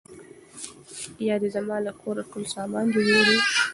یا دي زما له کوره ټول سامان دی وړی